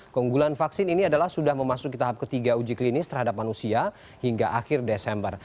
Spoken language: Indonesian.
keunggulan vaksin ini adalah sudah memasuki tahap ketiga uji klinis terhadap manusia hingga akhir desember